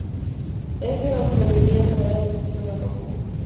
Es de orfebrería dorada de estilo barroco.